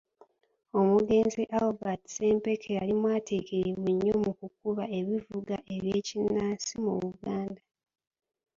Omugenzi Albert Ssempeke yali mwatiikirivu nnyo mu kukuba ebivuga eby’ekinnansi mu Buganda.